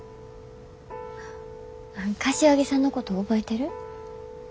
柏木さんのこと覚えてる？